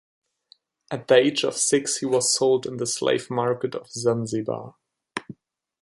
At the age of six he was sold in the slave market of Zanzibar.